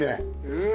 うん！